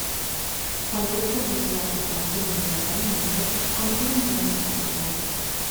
Cualquier proceso de articulación inevitablemente confía en que no está articulado.